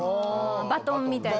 バトンみたいな。